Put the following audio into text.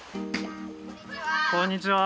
こんにちは。